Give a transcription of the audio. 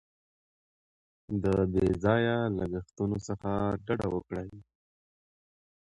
د بې ځایه لګښتونو څخه ډډه وکړئ.